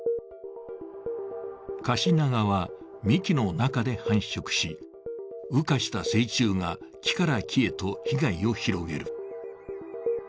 カシナガは幹の中で繁殖し、羽化した成虫が木から木へと被害を広げる。